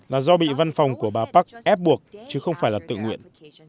là do bị văn phòng của bà park ép buộc chứ không phải là tự nguyện